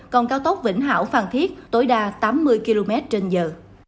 còn cao tốc vĩnh hảo phan thiết tối đa tám mươi km trên giờ